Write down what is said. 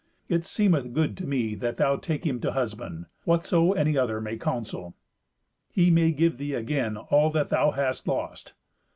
It seemeth good to me that thou take him to husband, whatso any other may counsel. He may give thee again all that thou hast lost.